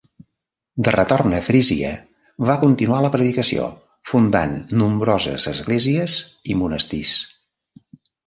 De retorn a Frísia, va continuar la predicació, fundant nombroses esglésies i monestirs.